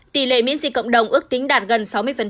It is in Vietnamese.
tỷ lệ miễn dịch cộng đồng ước tính đạt gần sáu mươi